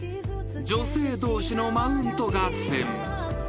［女性同士のマウント合戦］